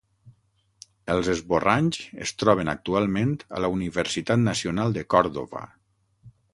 Els esborranys es troben actualment a la Universitat Nacional de Còrdova.